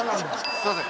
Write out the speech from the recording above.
すいません。